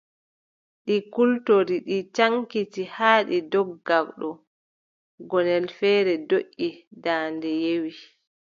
Ɗi kultori, ɗi caŋkiti, haa ɗi ndogga ɗo, gonnel feere doʼi, daande yewi.